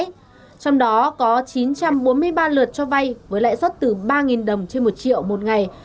trong đó có chín trăm bốn mươi ba lượt cho vay với lãi suất từ ba đồng trên một triệu một ngày